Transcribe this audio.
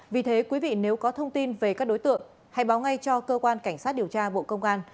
vì thế quý vị nếu có thông tin về các đối tượng hãy báo ngay cho cơ quan cảnh sát điều tra bộ công an